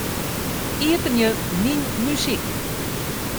Iepenje Myn muzyk.